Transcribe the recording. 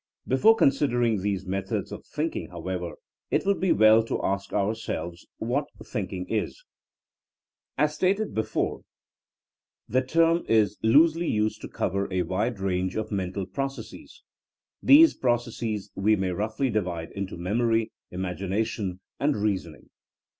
Before considering these methods of think ing, however, it would be well to ask ourselves what thinking is. As stated before, the term is iSee Herbert Spencer, Education. 14 THINEINO AS A SCIENCE loosely used to cover a wide range of mental processes. These processes we may roughly di vide into memory, imagination and reasoning.